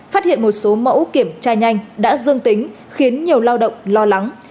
phát hiện một số mẫu kiểm tra nhanh đã dương tính khiến nhiều lao động lo lắng